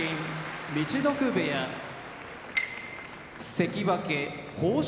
陸奥部屋関脇豊昇